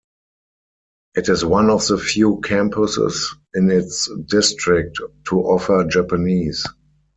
It is one of the few campuses in its district to offer Japanese.